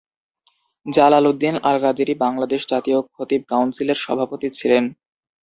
জালাল উদ্দিন আল কাদেরী বাংলাদেশ জাতীয় খতিব কাউন্সিলের সভাপতি ছিলেন।